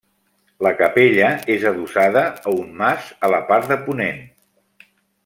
La capella és adossada a un mas a la part de ponent.